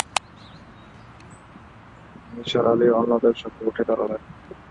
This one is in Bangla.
নিসার আলি অন্যদের সঙ্গে উঠে দাঁড়ালেন।